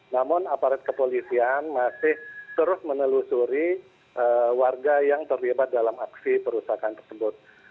namun aparat kepolisian masih terus menelusuri warga yang terlibat dalam aksi perusahaan tersebut